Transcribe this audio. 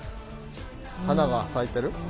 花が咲いてる？